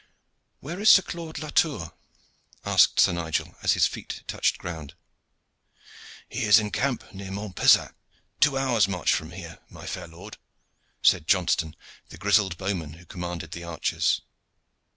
"Where is Sir Claude Latour?" asked Sir Nigel, as his feet touched ground. "He is in camp, near Montpezat, two hours' march from here, my fair lord," said Johnston, the grizzled bowman who commanded the archers.